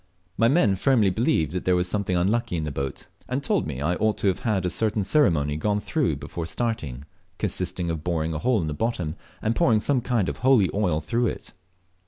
My men firmly believed there was something unlucky in the boat, and told me I ought to have had a certain ceremony gone through before starting, consisting of boring a hole in the bottom and pouring some kind of holy oil through it.